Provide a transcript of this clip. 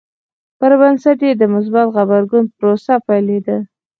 پر بنسټ یې د مثبت غبرګون پروسه پیلېده.